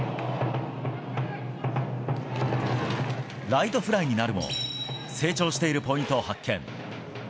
ライトフライになるも、成長しているポイントを発見。